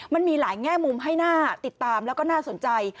มันมีหลายแง่มุมให้น่าติดตามแล้วก็น่าสนใจ